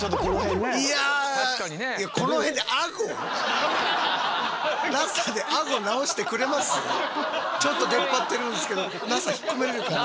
いやちょっと出っ張ってるんですけどＮＡＳＡ引っ込めれるかな？